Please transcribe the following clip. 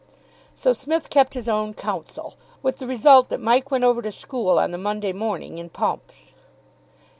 So Psmith kept his own counsel, with the result that Mike went over to school on the Monday morning in pumps.